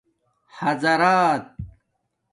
حاضرات